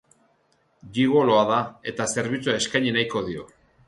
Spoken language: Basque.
Gigoloa da, eta zerbitzua eskaini nahiko dio.